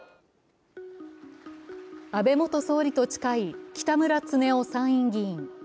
安倍元総理と近い北村経夫参院議員。